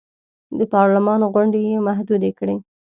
د پارلمان غونډې یې محدودې کړې.